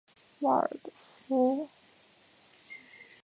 马罗克弗尔德。